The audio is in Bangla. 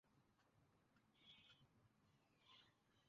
তবে সড়কগুলোর পানি নিষ্কাশনব্যবস্থা খারাপ হওয়ায় সড়কগুলো তাড়াতাড়ি নষ্ট হয়ে যায়।